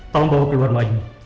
tolong bawa keluar lagi